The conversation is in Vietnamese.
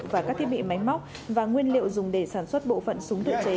và các thiết bị máy móc và nguyên liệu dùng để sản xuất bộ phận súng tự chế